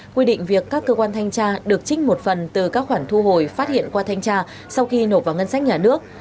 quy định việc các cơ quan thanh tra được trích một phần từ các khoản thu hồi phát hiện qua thanh tra sau khi nộp vào ngân sách nhà nước